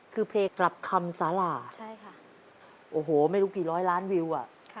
คือเพลงกลับคำสละโอ้โฮไม่รู้กี่ล้อยล้านวิวน่ะ